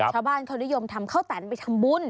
ชาวบ้านเขานิยมทำข้าวแตนไปทำบุญ